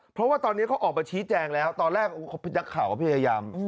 เพราะว่าตอนนี้เขาออกมาชี้แจงแล้วตอนแรกนักข่าวก็พยายาม